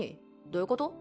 どういうこと？